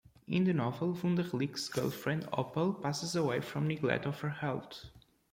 In the novel Wunderlick's girlfriend Opel passes away from neglect of her health.